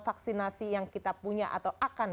vaksinasi yang kita punya atau akan